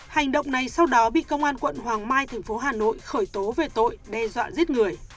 hành động này sau đó bị công an quận hoàng mai thành phố hà nội khởi tố về tội đe dọa giết người